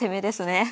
ですね。